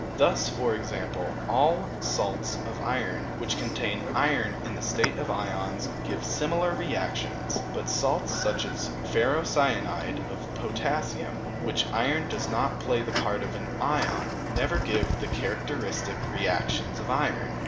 Thus, for example, all salts of iron, which contain iron in the state of ions, give similar reactions; but salts such as ferrocyanide of potassium, in which iron does not play the part of an ion, never give the characteristic reactions of iron.